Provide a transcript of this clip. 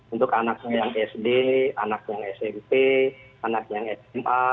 untuk anak saya yang sd anak yang smp anak yang sma